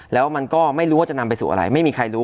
แล้วมันก็ไม่รู้ว่าจะนำไปสู่อะไรไม่มีใครรู้